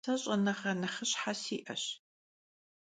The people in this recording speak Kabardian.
Se ş'enığe nexhışhe si'eş.